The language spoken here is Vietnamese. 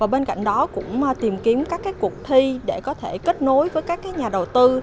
bên cạnh đó cũng tìm kiếm các cuộc thi để có thể kết nối với các nhà đầu tư